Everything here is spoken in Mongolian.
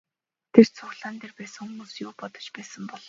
Тэр цуглаан дээр байсан хүмүүс юу бодож байсан бол?